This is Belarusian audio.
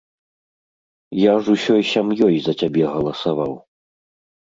Я ж усёй сям'ёй за цябе галасаваў.